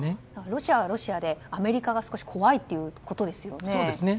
ロシアはロシアでアメリカが少し怖いということですよね。